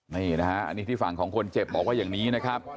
นี่นะฮะอันนี้ที่ฝั่งของคนเจ็บบอกว่าอย่างนี้นะครับ